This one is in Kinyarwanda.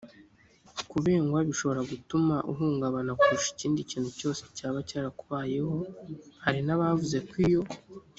kubengwa bishobora gutuma uhungabana kurusha ikindi kintu cyose cyaba cyarakubayeho hari n abavuze ko iyo